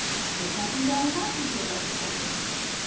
"By jumping down the hatches you're about to open."